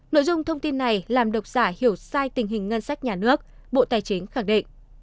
nội dung thông tin này làm độc giả hiểu sai tình hình ngân sách nhà nước bộ tài chính khẳng định